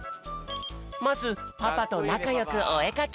まずパパとなかよくおえかき。